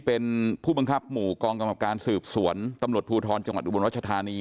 เป็นผู้บังคับหมู่กองกรรมการสืบสวนตำรวจภูทรจังหวัดอุบลรัชธานี